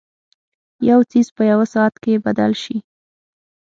یو څیز په یوه ساعت کې بدل شي.